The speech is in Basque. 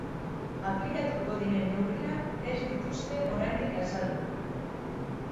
Aplikatuko diren neurriak ez dituzte oraindik azaldu.